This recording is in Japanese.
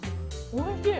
おいしい！